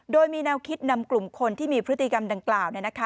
โดยมีแนวคิดนำกลุ่มคนที่มีพฤติกรรมดังกล่าว